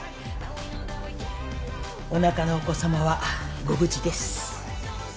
おなかのお子さまはご無事です。